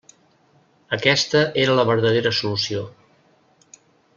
Aquesta era la verdadera solució.